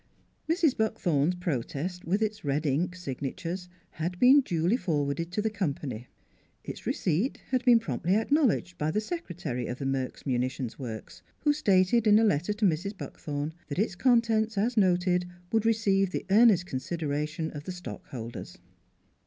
Mrs. Buckthorn's pro test, with its red ink signatures, had been duly forwarded to the Company; its receipt had been promptly acknowledged by the secretary of the Merks Munition Works, who stated in a letter to Mrs. Buckthorn that its contents, as noted, would receive the earnest consideration of the stockholders.